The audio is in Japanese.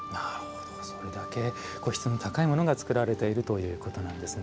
それだけ質の高いものが作られているということなんですね。